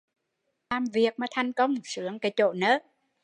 Làm việc mà thành công, sướng cái chỗ nớ